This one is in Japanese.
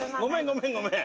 ごめんごめん。